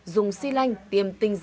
dùng xi lanh tiêm tinh dầu